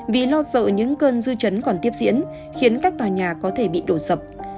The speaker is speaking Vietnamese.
vì lo sợ những cơn dư chấn còn tiếp diễn khiến các tòa nhà có thể bị đổ sập